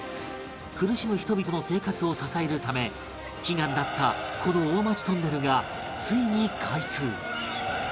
苦しむ人々の生活を支えるため悲願だったこの大町トンネルがついに開通